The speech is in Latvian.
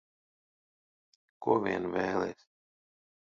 Ko vien vēlies.